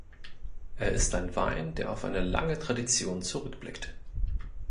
Er ist ein Wein, der auf eine lange Tradition zurückblickt.